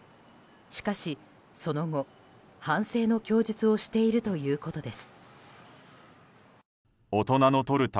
しかし、その後、反省の供述をしているということです。